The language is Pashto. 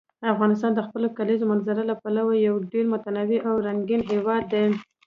افغانستان د خپلو کلیزو منظره له پلوه یو ډېر متنوع او رنګین هېواد دی.